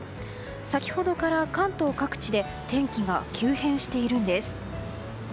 先ほどから関東各地で天気が急変しているんです。